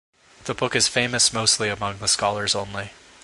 The book is famous mostly among the scholars only.